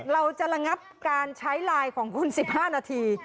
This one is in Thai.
ระงับการใช้ไลน์ของคุณ๑๕นาที